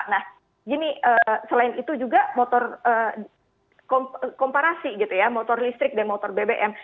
nah gini selain itu juga motor komparasi gitu ya motor listrik dan motor bbm